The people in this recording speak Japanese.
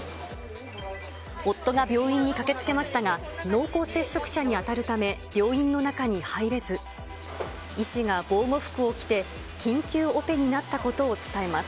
夫が病院に駆けつけましたが、濃厚接触者に当たるため、病院の中に入れず、医師が防護服を着て、緊急オペになったことを伝えます。